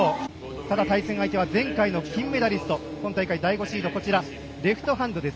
ただ対戦相手は前回の金メダリスト今大会第５シードレフトハンドです。